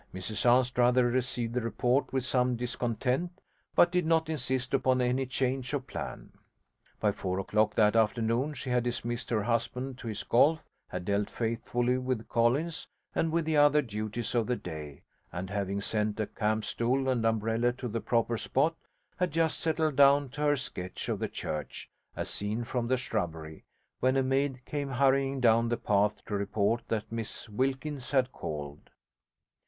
Mrs Anstruther received the report with some discontent, but did not insist upon any change of plan. By four o'clock that afternoon she had dismissed her husband to his golf, had dealt faithfully with Collins and with the other duties of the day, and, having sent a campstool and umbrella to the proper spot, had just settled down to her sketch of the church as seen from the shrubbery, when a maid came hurrying down the path to report that Miss Wilkins had called.